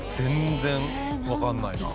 「全然わかんないな」